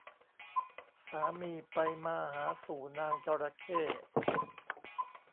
สามีไปมาหาสู่นางจระเข้